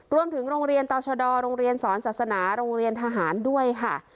โรงเรียนต่อชดโรงเรียนสอนศาสนาโรงเรียนทหารด้วยค่ะ